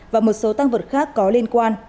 và một số tăng vật khác có liên quan